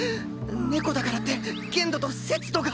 猫だからって限度と節度が。